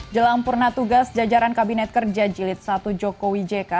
jelang purna tugas jajaran kabinet kerja jilid satu jokowi jk